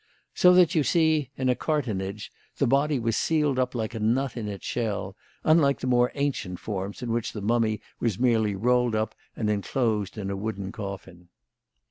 So that, you see, in a cartonnage, the body was sealed up like a nut in its shell, unlike the more ancient forms in which the mummy was merely rolled up and enclosed in a wooden coffin."